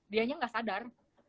dianya gak sadar